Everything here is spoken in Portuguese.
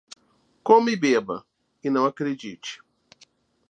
Coma e beba, e não acredite.